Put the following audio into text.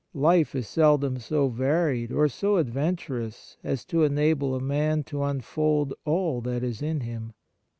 Life is seldom so varied or so adventurous as to enable a man to unfold all that is in him.